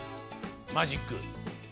マジック。